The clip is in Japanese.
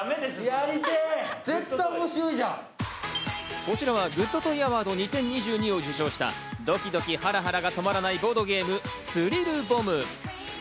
こちらはＧＯＯＤＴＯＹＡＷＡＲＤ２０２２を受賞した、ドキドキハラハラが止まらないボードゲーム、スリルボム。